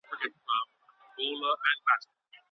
ولي زیارکښ کس د تکړه سړي په پرتله ډېر مخکي ځي؟